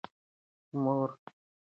مور د ماشومانو د پوستکي روغتیا څاري.